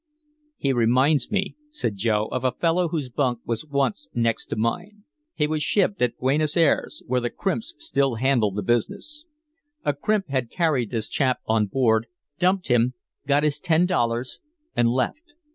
"He reminds me," said Joe, "of a fellow whose bunk was once next to mine. He was shipped at Buenos Ayres, where the crimps still handle the business. A crimp had carried this chap on board, dumped him, got his ten dollars and left.